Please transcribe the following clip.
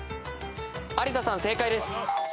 有田さん正解です。